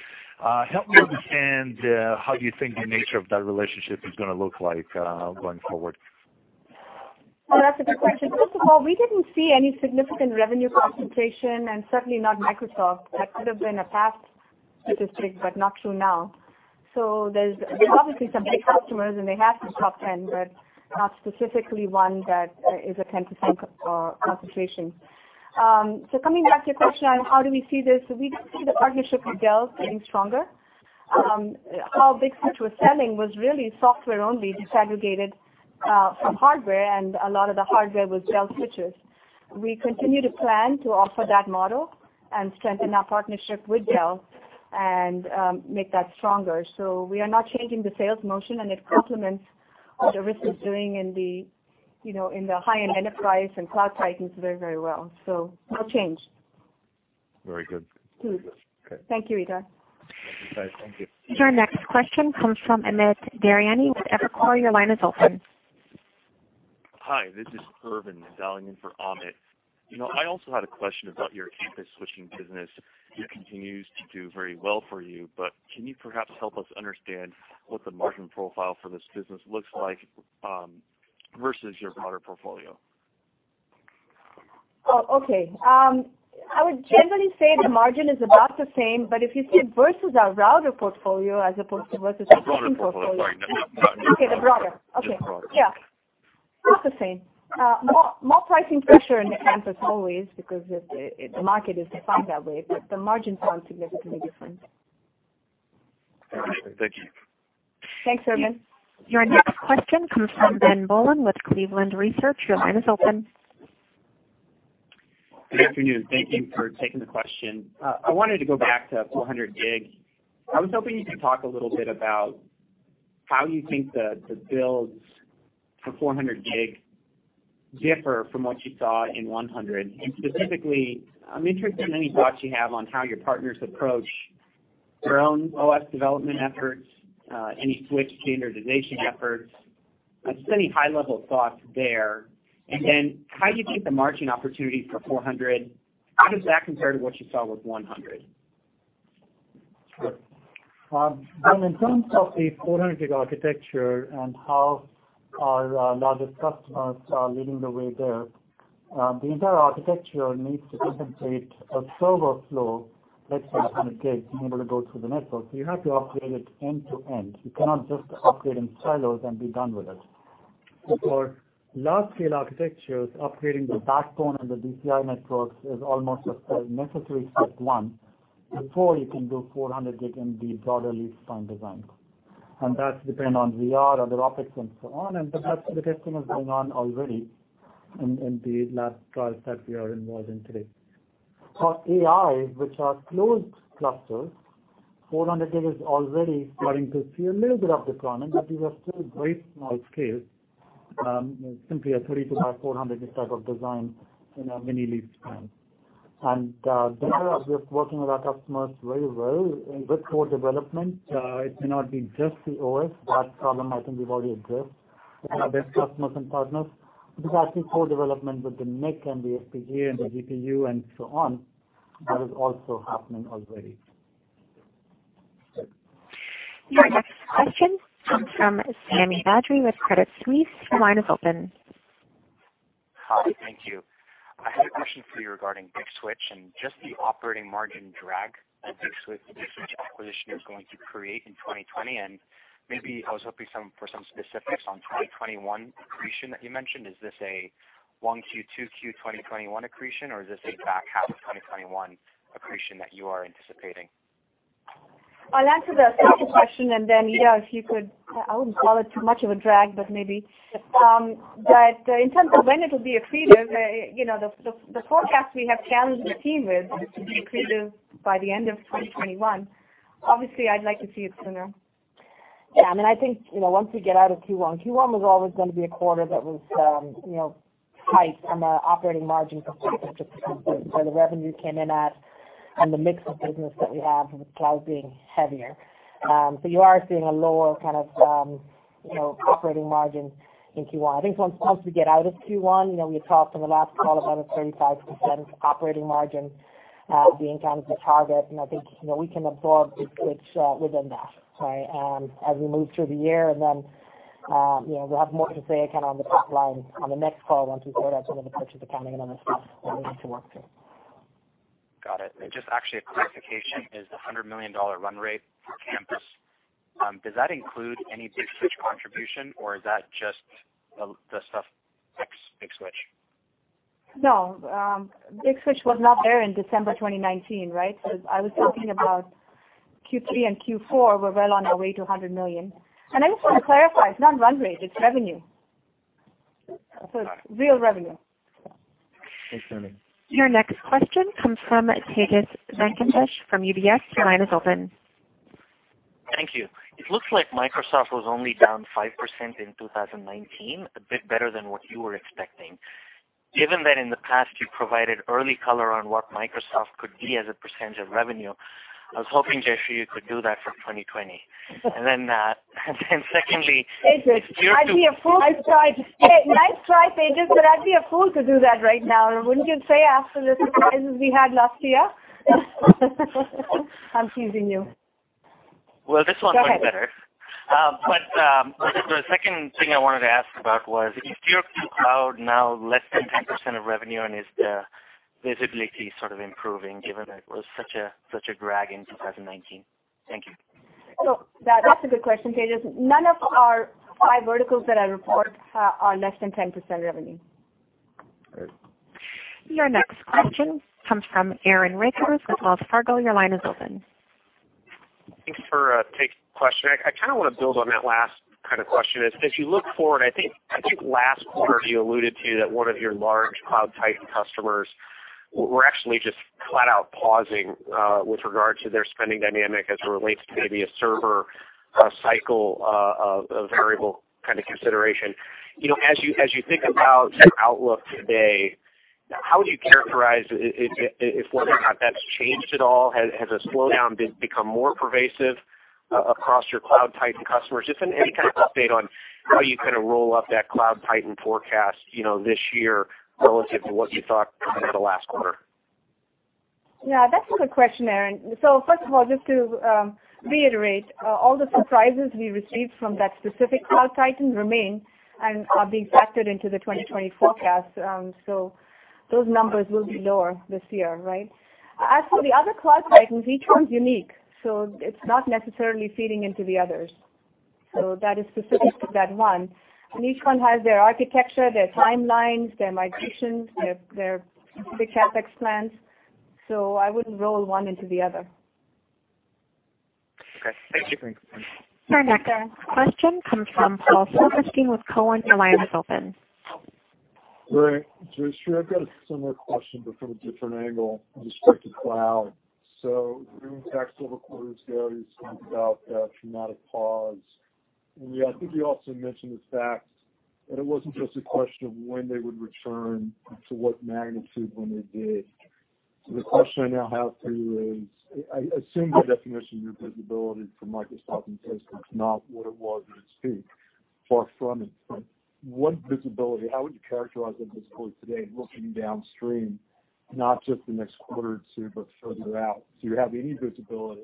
Help me understand how you think the nature of that relationship is going to look like going forward. That's a good question. First of all, we didn't see any significant revenue concentration and certainly not Microsoft. That could have been a past statistic, but not true now. There's obviously some big customers, and they have some top 10, but not specifically one that is a 10% concentration. Coming back to your question on how do we see this, we see the partnership with Dell getting stronger. How Big Switch was selling was really software only disaggregated from hardware, and a lot of the hardware was Dell switches. We continue to plan to offer that model and strengthen our partnership with Dell and make that stronger. We are not changing the sales motion, and it complements what Arista's doing in the high-end enterprise and cloud titans very well. No change. Very good. Thank you, Ittai Kidron. Thank you. Your next question comes from Amit Daryanani with Evercore ISI. Your line is open. Hi. This is Irvin Liu, dialing in for Amit Daryanani. I also had a question about your campus switching business, which continues to do very well for you, but can you perhaps help us understand what the margin profile for this business looks like versus your router portfolio? Oh, okay. I would generally say the margin is about the same, but if you said versus our router portfolio as opposed to versus our switching portfolio. The broader portfolio. Sorry. Okay. The broader. Okay. Yes, broader. Yeah. It's the same. More pricing pressure in the campus always because the market is defined that way, but the margins aren't significantly different. Thank you. Thanks, Irvin Liu. Your next question comes from Ben Bollin with Cleveland Research. Your line is open. Good afternoon. Thank you for taking the question. I wanted to go back to 400G. I was hoping you could talk a little bit about how you think the builds for 400G differ from what you saw in 100G. Specifically, I'm interested in any thoughts you have on how your partners approach their own OS development efforts, any switch standardization efforts. Just any high-level thoughts there. Then how do you think the margin opportunity for 400G, how does that compare to what you saw with 100G? Sure. Ben Bollin, in terms of the 400G architecture and how our largest customers are leading the way there, the entire architecture needs to contemplate a server flow that's 400G being able to go through the network. You have to operate it end to end. You cannot just operate in silos and be done with it. For large-scale architectures, upgrading the backbone and the DCI networks is almost a necessary step one before you can do 400G in the broader leaf-spine designs. That's dependent on DR, other optics, and so on, but that testing is going on already in the lab trials that we are involved in today. For AI, which are closed clusters, 400G is already starting to see a little bit of deployment, but these are still very small scale, simply a 32 by 400 type of design in a mini leaf-spine. There, we're working with our customers very well with co-development. It may not be just the OS. That problem I think we've already addressed with our best customers and partners. Actually co-development with the NIC and the FPGA and the GPU and so on, that is also happening already. Your next question comes from Sami Badri with Credit Suisse. Your line is open. Hi. Thank you. I had a question for you regarding Big Switch and just the operating margin drag that the Big Switch acquisition is going to create in 2020, and maybe I was hoping for some specifics on 2021 accretion that you mentioned. Is this a one Q2Q 2021 accretion, or is this a back half of 2021 accretion that you are anticipating? I'll answer the second question, and then, Ita Brennan, if you could I wouldn't call it too much of a drag, but maybe. In terms of when it'll be accretive, the forecast we have challenged the team with is to be accretive by the end of 2021. Obviously, I'd like to see it sooner. Yeah. I think, once we get out of Q1 was always going to be a quarter that was hyped from an operating margin perspective, just because where the revenue came in at and the mix of business that we have, with cloud being heavier. You are seeing a lower operating margin in Q1. I think once we get out of Q1, we had talked on the last call about a 35% operating margin being the target, and I think we can absorb Big Switch within that. Sorry. As we move through the year, we'll have more to say on the top line on the next call once we sort out some of the purchase accounting and other stuff that we need to work through. Got it. Just actually a clarification, is the $100 million run rate for campus, does that include any Big Switch contribution, or is that just the stuff pre-Big Switch? No. Big Switch was not there in December 2019, right? I was talking about Q3 and Q4, we're well on our way to $100 million. I just want to clarify, it's not run rate, it's revenue. It's real revenue. Thanks, Jayshree Ullal. Your next question comes from Tejas Venkatesh from UBS. Your line is open. Thank you. It looks like Microsoft was only down 5% in 2019, a bit better than what you were expecting. Given that in the past, you provided early color on what Microsoft could be as a percentage of revenue, I was hoping, Jayshree Ullal, you could do that for 2020. Tejas Venkatesh, I'd be a fool to try. Nice try, Tejas, I'd be a fool to do that right now, wouldn't you say, after the surprises we had last year? I'm teasing you. Well, this one went better. The second thing I wanted to ask about was, is your cloud now less than 10% of revenue, and is the visibility sort of improving given that it was such a drag in 2019? Thank you. That's a good question, Tejas Venkatesh. None of our five verticals that I report are less than 10% revenue. Great. Your next question comes from Aaron Rakers with Wells Fargo. Your line is open. Thanks for taking the question. I kind of want to build on that last question. As you look forward, I think last quarter you alluded to that one of your large cloud titan customers were actually just flat out pausing with regard to their spending dynamic as it relates to maybe a server cycle of variable consideration. As you think about your outlook today, how would you characterize if whether or not that's changed at all? Has the slowdown become more pervasive across your cloud titan customers? Just any kind of update on how you roll up that cloud titan forecast this year relative to what you thought kind of the last quarter. Yeah. That's a good question, Aaron Rakers. First of all, just to reiterate, all the surprises we received from that specific cloud titan remain and are being factored into the 2020 forecast. Those numbers will be lower this year, right? As for the other cloud titans, each one's unique, so it's not necessarily feeding into the others. That is specific to that one. Each one has their architecture, their timelines, their migrations, their specific CapEx plans. I wouldn't roll one into the other. Okay. Thank you. Your next question comes from Paul Silverstein with Cowen and Company. Your line is open. Great. Jayshree Ullal, I've got a similar question, but from a different angle with respect to cloud. During the actual quarters, Jayshree Ullal spoke about a traumatic pause, and I think you also mentioned the fact that it wasn't just a question of when they would return and to what magnitude when they did. The question I now have for you is, I assume your definition of your visibility for Microsoft and Cisco is not what it was at its peak, far from it. What visibility, how would you characterize that visibility today looking downstream, not just the next quarter or two, but further out? Do you have any visibility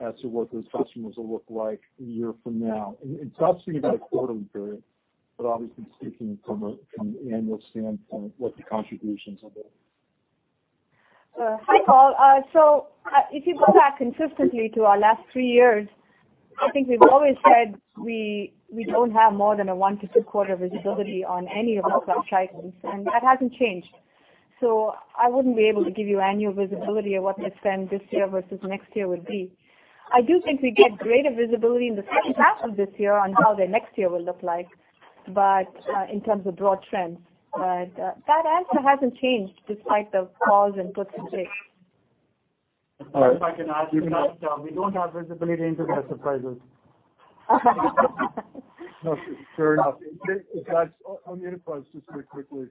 as to what those customers will look like a year from now? It's obviously about a quarterly period, but obviously speaking from the annual standpoint, what the contributions of it. Hi, Paul Silverstein. If you go back consistently to our last three years, I think we've always said we don't have more than a one to two quarter visibility on any of our cloud cycles, and that hasn't changed. I wouldn't be able to give you annual visibility of what the spend this year versus next year would be. I do think we get greater visibility in the second half of this year on how the next year will look like, but in terms of broad trends. That answer hasn't changed despite the pause and puts and takes. All right. If I can add to that, we don't have visibility into their surprises. No, fair enough. On the enterprise, just very quickly.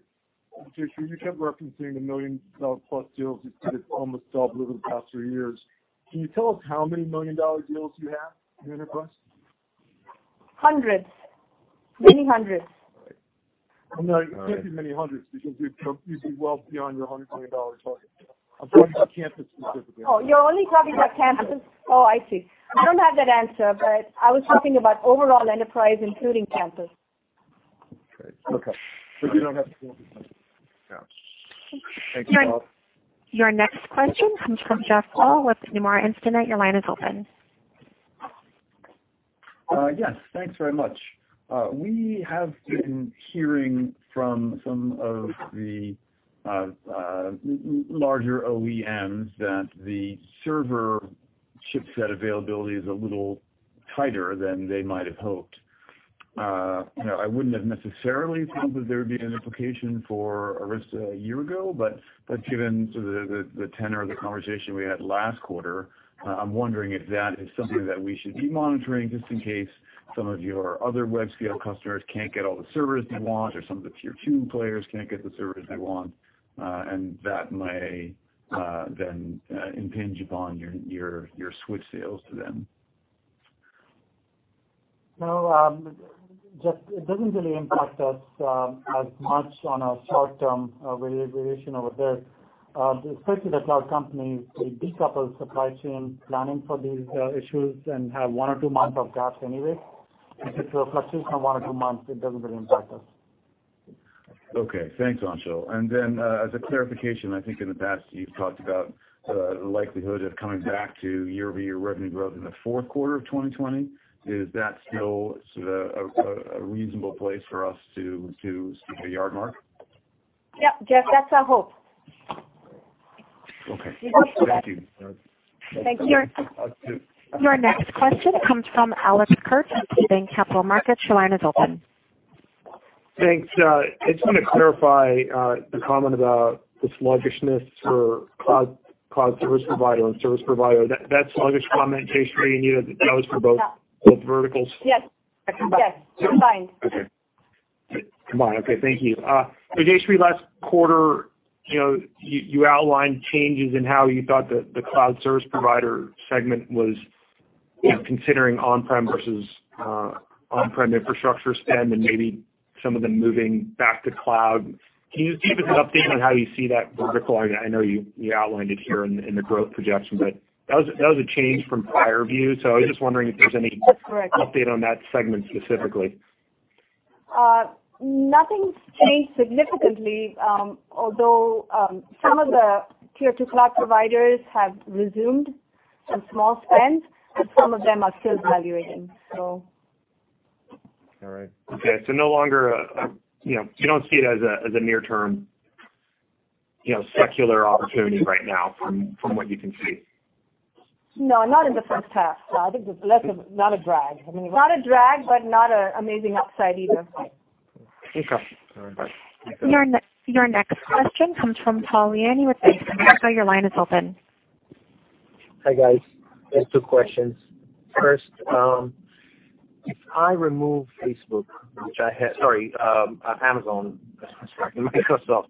Jayshree Ullal, you kept referencing the million-dollar-plus deals that almost doubled over the past three years. Can you tell us how many million-dollar deals you have in enterprise? Hundreds. Many hundreds. All right. No, it can't be many hundreds, because you'd be well beyond your $100 million target. I'm talking about campus specifically. Oh, you're only talking about campus? Oh, I see. I don't have that answer, but I was talking about overall enterprise, including campus. Okay. You don't have the answer. Yeah. Thank you. Your next question comes from Jeffrey Kvaal with Nomura Instinet. Your line is open. Yes, thanks very much. We have been hearing from some of the larger OEMs that the server chipset availability is a little tighter than they might have hoped. I wouldn't have necessarily given verification for Arista Networks a year ago. Given sort of the tenor of the conversation we had last quarter, I'm wondering if that is something that we should be monitoring just in case some of your other web scale customers can't get all the servers they want, or some of the Tier 2 players can't get the servers they want, and that may then impinge upon your switch sales to them. No, Jeffrey Kvaal, it doesn't really impact us as much on a short-term variation over there. Especially the cloud companies, they decouple supply chain planning for these issues and have one or two months of gaps anyway. If there's a fluctuation of one or two months, it doesn't really impact us. Okay, thanks, Anshul Sadana. As a clarification, I think in the past you've talked about the likelihood of coming back to year-over-year revenue growth in the fourth quarter of 2020. Is that still sort of a reasonable place for us to stick a yard mark? Yep, Jeffrey Kvaal, that's our hope. Okay. Thank you. Thank you. Your next question comes from Alex Kurtz at Piper Jaffray Capital Markets. Your line is open. Thanks. I just want to clarify the comment about the sluggishness for cloud service provider and service provider. That sluggish comment, Jayshree Ullal, and you, that goes for both verticals? Yes. Combined. Okay. Combined. Okay, thank you. Jayshree Ullal, last quarter, you outlined changes in how you thought the cloud service provider segment was considering on-prem versus on-prem infrastructure spend, and maybe some of them moving back to cloud. Can you give us an update on how you see that vertical? I know you outlined it here in the growth projection, but that was a change from prior view. I was just wondering if there's- That's correct. update on that segment specifically. Nothing's changed significantly. Some of the Tier 2 cloud providers have resumed some small spends, and some of them are still evaluating. All right. Okay, no longer, you don't see it as a near-term secular opportunity right now from what you can see? No, not in the first half. I think there's not a drag. I mean, not a drag, but not an amazing upside either. Okay. All right. Your next question comes from Tal Liani with Bank of America. Your line is open. Hi, guys. Just two questions. First, if I remove Amazon, Microsoft,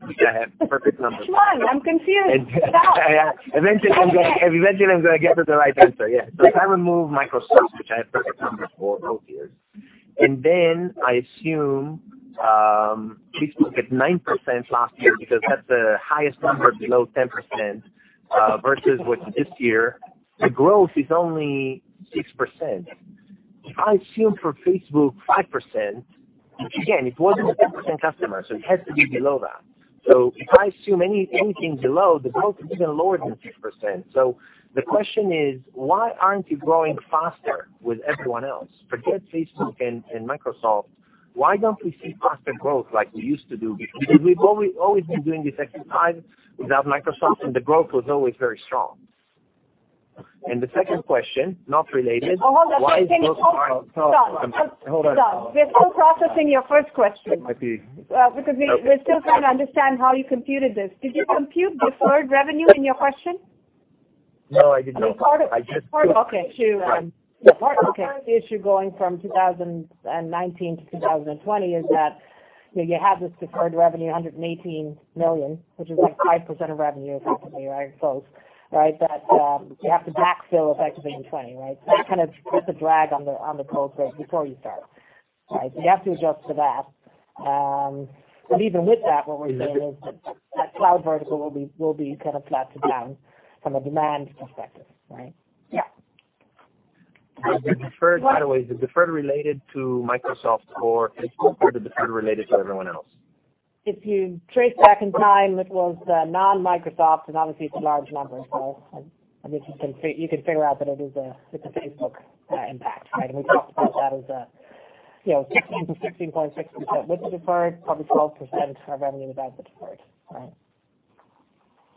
which I have perfect numbers for. Which one? I'm confused. Stop. Eventually I'm going to get to the right answer, yeah. If I remove Microsoft, which I have perfect numbers for both years, and then I assume Facebook at 9% last year, because that's the highest number below 10%, versus with this year, the growth is only 6%. If I assume for Facebook 5%, which again, it wasn't a 10% customer, so it has to be below that. If I assume anything below, the growth is even lower than 6%. The question is, why aren't you growing faster with everyone else? Forget Facebook and Microsoft. Why don't we see faster growth like we used to do before? We've always been doing this exercise without Microsoft, and the growth was always very strong. The second question, not related. Hold on. Can you hold? Tal Liani. Hold on. Tal Liani, we're still processing your first question. Okay. We're still trying to understand how you computed this. Did you compute deferred revenue in your question? No, I did not. The issue going from 2019 to 2020 is that you have this deferred revenue, $118 million, which is like 5% of revenue approximately, right? Close. Right? You have to backfill effectively in 2020, right? That kind of puts a drag on the growth rate before you start. Right? You have to adjust for that. Even with that, what we're saying is that cloud vertical will be kind of flat to down from a demand perspective, right? By the way, is the deferred related to Microsoft or is the deferred related to everyone else? If you trace back in time, it was non-Microsoft, obviously it's a large number. I mean, you can figure out that it is with the Facebook impact, right? We talked about that as 16.6% was deferred, probably 12% of revenue was as deferred, right.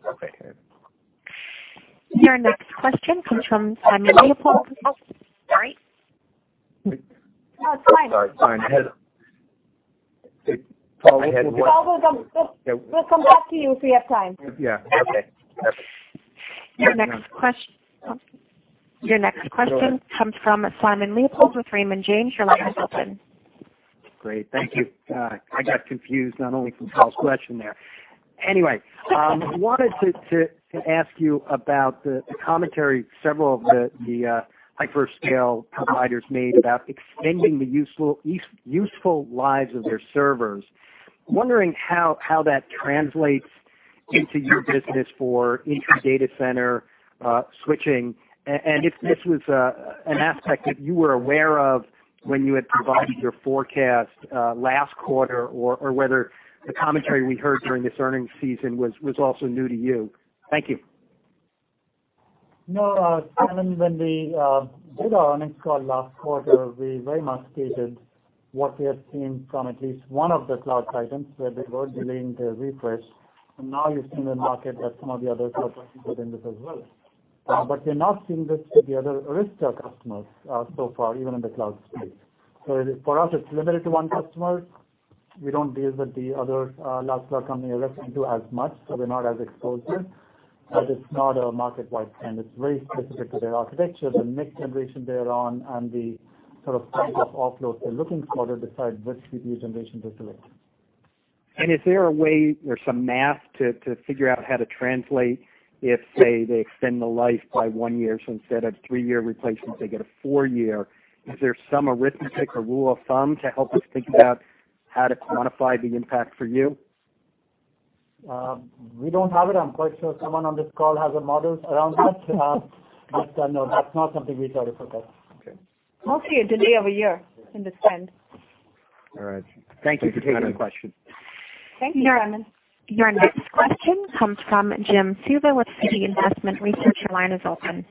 Okay. Your next question comes from Simon Leopold. Sorry. No, it's fine. We'll come back to you if we have time. Yeah. Okay. Perfect. Your next question comes from Simon Leopold with Raymond James. Your line is open. Great. Thank you. I got confused, not only from Paul's question there. Wanted to ask you about the commentary several of the hyperscale providers made about extending the useful lives of their servers. Wondering how that translates into your business for intra-data center switching, and if this was an aspect that you were aware of when you had provided your forecast last quarter or whether the commentary we heard during this earning season was also new to you. Thank you. No, Simon Leopold, when we did our earnings call last quarter, we very much stated what we have seen from at least one of the cloud titans, where they were delaying their refresh, and now you're seeing the market that some of the others are participating within this as well. We're not seeing this with the other Arista customers so far, even in the cloud space. For us, it's limited to one customer. We don't deal with the other large cloud company Arista do as much, so we're not as exposed there. It's not a market wide trend. It's very specific to their architecture, the next generation they're on, and the sort of type of offload they're looking for to decide which CPU generation to select. Is there a way or some math to figure out how to translate if, say, they extend the life by one year, so instead of three-year replacements, they get a four-year? Is there some arithmetic or rule of thumb to help us think about how to quantify the impact for you? We don't have it. I'm quite sure someone on this call has a model around that. No, that's not something we try to forecast. Okay. Mostly a delay of a year in the spend. All right. Thank you for taking the question. Thank you, Simon Leopold. Your next question comes from Jim Suva with Citi Investment Research. Your line is open.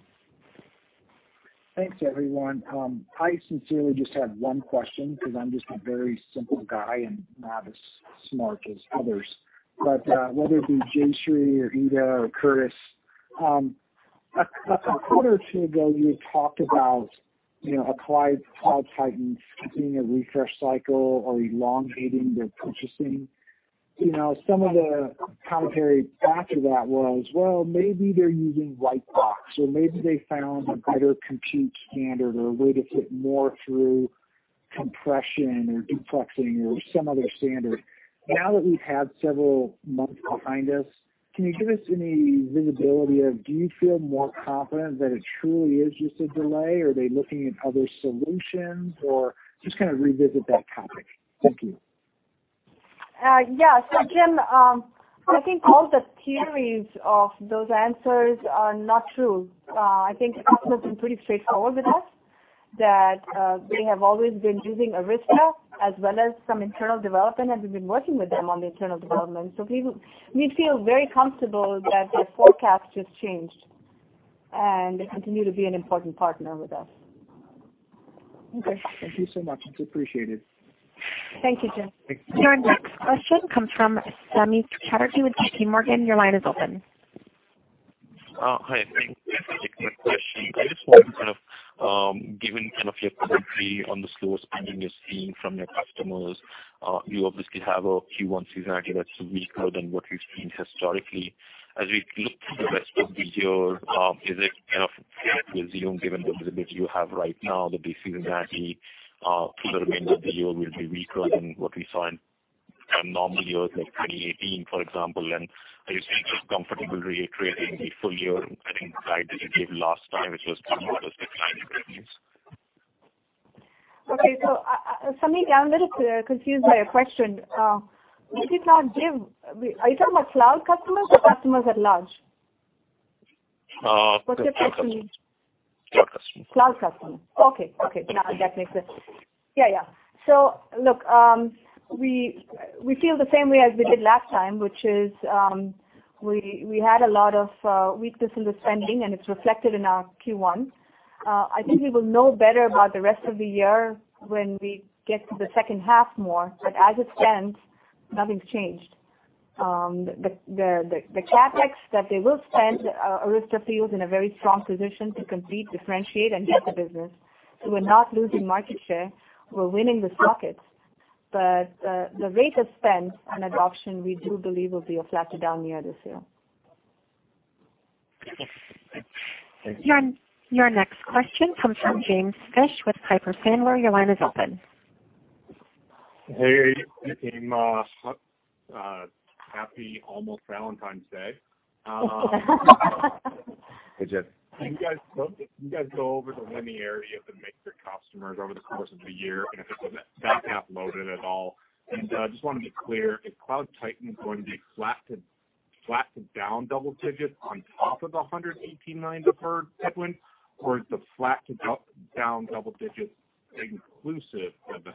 Thanks, everyone. I sincerely just have one question because I'm just a very simple guy and not as smart as others. Whether it be Jayshree Ullal or Ita Brennan or Charles Yager, a quarter or two ago, you talked about applied cloud titans skipping a refresh cycle or elongating their purchasing. Some of the commentary after that was, well, maybe they're using white box or maybe they found a better compute standard or a way to fit more through compression or duplexing or some other standard. Now that we've had several months behind us, can you give us any visibility of, do you feel more confident that it truly is just a delay? Are they looking at other solutions? Or just kind of revisit that topic. Thank you. Yeah. Jim Suva, I think all the theories of those answers are not true. I think the customer's been pretty straightforward with us that they have always been using Arista Networks as well as some internal development, and we've been working with them on the internal development. We feel very comfortable that their forecast has changed, and they continue to be an important partner with us. Okay. Thank you so much. It's appreciated. Thank you, Jim Suva. Thank you. Your next question comes from Samik Chatterjee with JPMorgan. Your line is open. Hi. Thanks. This is my first question. I just want to, given your commentary on the slower spending you're seeing from your customers, you obviously have a Q1 seasonality that's weaker than what we've seen historically. As we look through the rest of the year, is it fair to assume, given the visibility you have right now, that the seasonality through the remainder of the year will be weaker than what we saw in normal years like 2018, for example? Are you still just comfortable reiterating the full year earnings guide that you gave last time, which was mid-single digit line revenues? Okay. Samik Chatterjee, I'm a little confused by your question. Are you talking about cloud customers or customers at large? Cloud customers. Cloud customers. Okay. Now that makes sense. Yeah. Look, we feel the same way as we did last time, which is, we had a lot of weakness in the spending, and it's reflected in our Q1. I think we will know better about the rest of the year when we get to the second half more. As it stands, nothing's changed. The CapEx that they will spend, Arista Networks feels in a very strong position to compete, differentiate, and get the business. We're not losing market share. We're winning the sockets. The rate of spend and adoption, we do believe, will be a flatter down year this year. Okay. Thank you. Your next question comes from James Fish with Piper Sandler. Your line is open. Hey, team. Happy almost Valentine's Day. Hey, James Fish. Can you guys go over the linearity of the mix of customers over the course of the year, and if it was back half loaded at all? Just wanted to be clear, is Cloud Titan going to be flat to? Flat to down double digits on top of the $118 million deferred headwind, is the flat to down double digits inclusive of the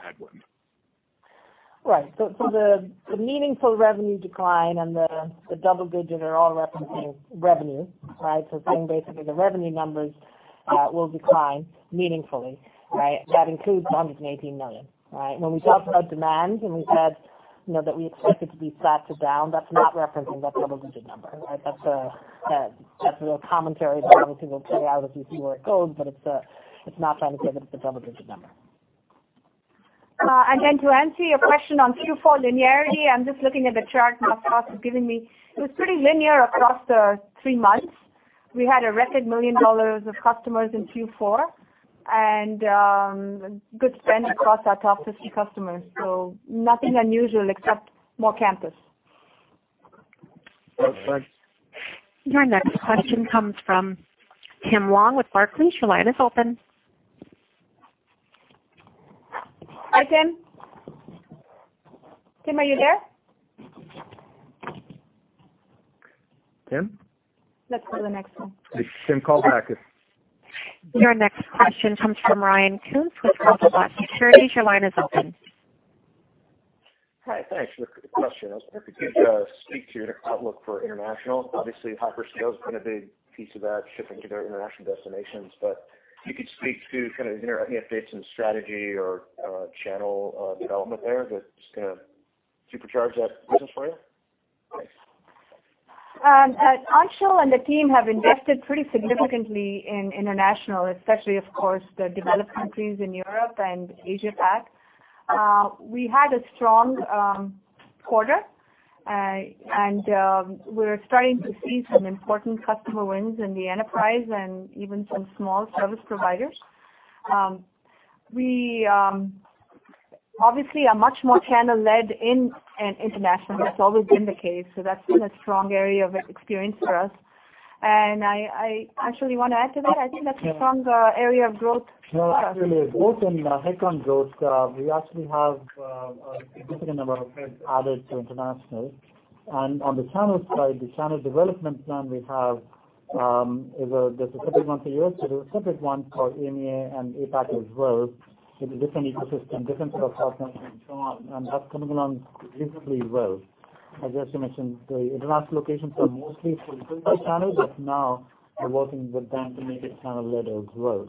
headwind? The meaningful revenue decline and the double digit are all referencing revenue, right. Saying basically the revenue numbers will decline meaningfully, right. That includes the $118 million, right. When we talked about demand and we said that we expect it to be flat to down, that's not referencing that double-digit number. That's a commentary that we will play out as we see where it goes, but it's not trying to say that it's a double-digit number. To answer your question on Q4 linearity, I'm just looking at the chart my boss is giving me. It was pretty linear across the three months. We had a record $1 million of customers in Q4 and good spend across our top 50 customers, nothing unusual except more campus. Okay, thanks. Your next question comes from Tim Long with Barclays. Your line is open. Hi, Tim Long. Tim, are you there? Tim Long? Let's go to the next one. Tim, call back if Your next question comes from Ryan Koontz with Goldman Sachs Securities. Your line is open. Hi, thanks. Quick question. I was wondering if you could speak to your outlook for international. Hyperscale is kind of a big piece of that shipping to their international destinations, but if you could speak to kind of any updates in strategy or channel development there that's going to supercharge that business for you? Thanks. Anshul Sadana and the team have invested pretty significantly in international, especially, of course, the developed countries in Europe and Asia Pac. We had a strong quarter. We're starting to see some important customer wins in the enterprise and even some small service providers. We obviously are much more channel-led in international. That's always been the case. That's been a strong area of experience for us. I, Anshul Sadana, you want to add to that? I think that's a strong area of growth. No, actually, both on headcount growth, we actually have a significant number of heads added to international. On the channel side, the channel development plan we have is a separate one for U.S., so there's a separate one for EMEA and APAC as well, with a different ecosystem, different set of partners and so on, and that's coming along reasonably well. As Jayshree Ullal mentioned, the international locations are mostly for physical channels, but now we're working with them to make it channel-led as well.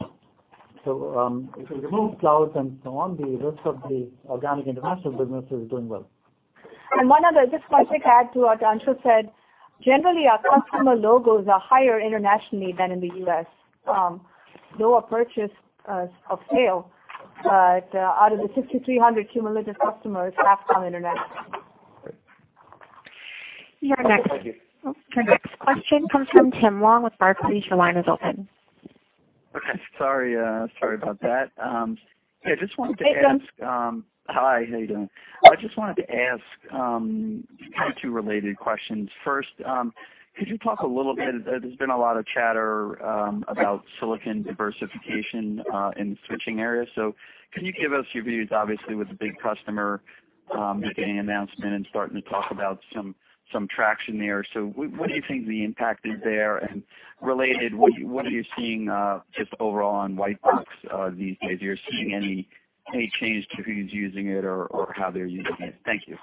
If we remove cloud and so on, the rest of the organic international business is doing well. One other, just one quick add to what Anshul Sadana said. Generally, our customer logos are higher internationally than in the U.S., though a purchase of sale. Out of the 6,300 cumulative customers, half are international. Great. Thank you. Your next question comes from Tim Long with Barclays. Your line is open. Okay. Sorry about that. Hey, Tim Long. Hi, how you doing? I just wanted to ask kind of two related questions. First, could you talk a little bit, there's been a lot of chatter about silicon diversification in switching areas. Can you give us your views, obviously, with the big customer making an announcement and starting to talk about some traction there. What do you think the impact is there? Related, what are you seeing just overall on white box these days? Are you seeing any change to who's using it or how they're using it? Thank you.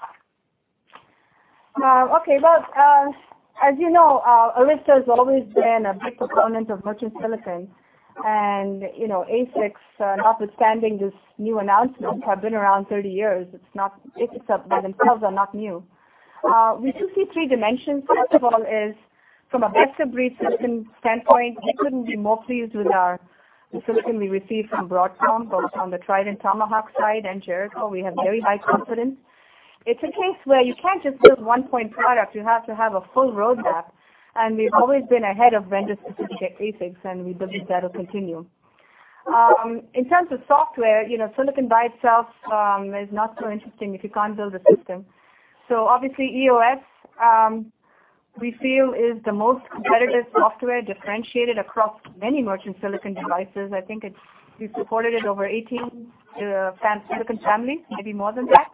Okay. Well, as you know, Arista Networks has always been a big proponent of merchant silicon and ASICs, notwithstanding this new announcement, have been around 30 years. ASICs by themselves are not new. We do see three dimensions. First of all is from a best-of-breed system standpoint, we couldn't be more pleased with the silicon we receive from Broadcom, both on the Trident Tomahawk side and Jericho. We have very high confidence. It's a case where you can't just build one point product, you have to have a full roadmap, and we've always been ahead of vendor-specific ASICs, and we believe that'll continue. In terms of software, silicon by itself is not so interesting if you can't build a system. Obviously EOS, we feel is the most competitive software differentiated across many merchant silicon devices. I think we supported it over 18 silicon families, maybe more than that.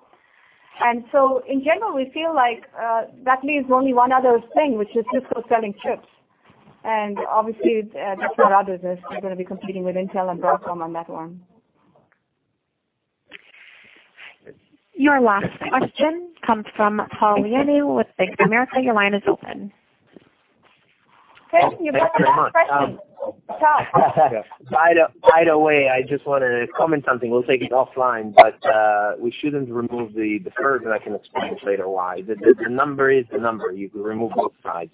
In general, we feel like that leaves only one other thing, which is Cisco selling chips. Obviously, just like others, we're going to be competing with Intel and Broadcom on that one. Your last question comes from Tal Liani with Bank of America. Your line is open. Tal Liani, you have one last question. Thanks very much. By the way, I just want to comment something. We'll take it offline, but we shouldn't remove the curve, and I can explain later why. The number is the number. You can remove both sides.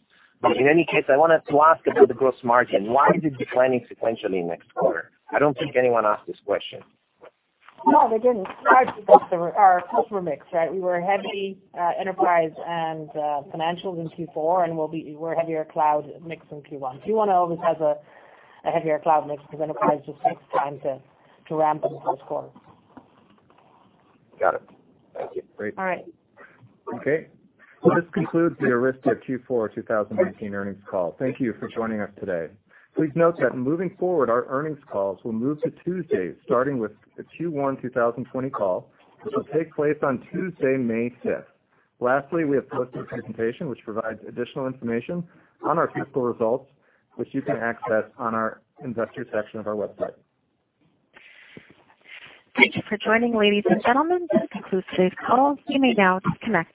In any case, I wanted to ask about the gross margin. Why is it declining sequentially next quarter? I don't think anyone asked this question. No, they didn't. It's because our customer mix, right? We were heavy Enterprise and Financials in Q4, we're a heavier cloud mix in Q1. Q1 always has a heavier cloud mix because Enterprise just takes time to ramp into those quarters. Got it. Thank you. Great. All right. Okay. Well, this concludes the Arista Networks Q4 2019 earnings call. Thank you for joining us today. Please note that moving forward, our earnings calls will move to Tuesdays, starting with the Q1 2020 call, which will take place on Tuesday, May 5th. Lastly, we have posted a presentation which provides additional information on our fiscal results, which you can access on our investor section of our website. Thank you for joining, ladies and gentlemen. That concludes today's call. You may now disconnect.